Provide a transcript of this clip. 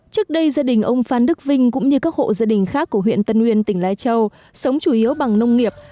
trước đây gia đình ông phan đức vinh cũng như các hộ gia đình khác của huyện tân uyên tỉnh lai châu sống chủ yếu bằng nông nghiệp